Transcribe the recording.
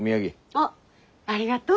あっありがとう。